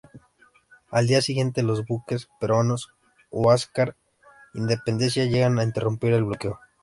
Al día siguiente, los buques peruanos "Huáscar" e "Independencia", llegan a interrumpir el bloqueo.